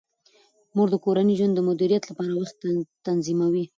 مور د کورني ژوند د مدیریت لپاره وخت تنظیموي.